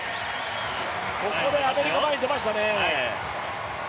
ここでアメリカ、前に出ましたね。